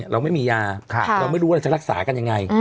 เราไม่มียาเราไม่รู้ว่าเราจะรักษากันยังไง